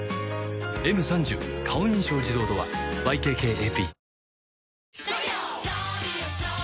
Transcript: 「Ｍ３０ 顔認証自動ドア」ＹＫＫＡＰ